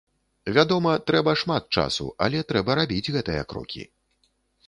Вядома, трэба шмат часу, але трэба рабіць гэтыя крокі.